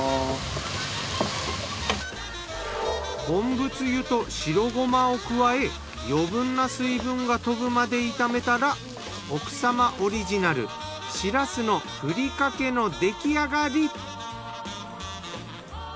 昆布つゆと白ごまを加え余分な水分が飛ぶまで炒めたら奥様オリジナルシラスのふりかけの出来上がり。